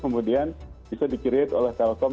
kemudian bisa di create oleh telkom